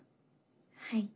はい。